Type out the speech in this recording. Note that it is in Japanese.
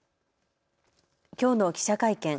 きょうの記者会見。